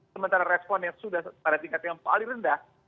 sementara respon yang sudah pada tingkat yang paling rendah